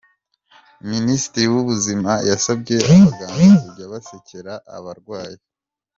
Minisitiri w’Ubuzima yasabye abaganga kujya basekera abarwayi